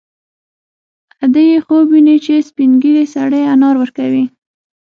ادې یې خوب ویني چې سپین ږیری سړی انار ورکوي